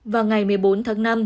vào ngày một mươi bốn tháng năm